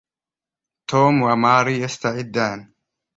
توم وماري يستعدان.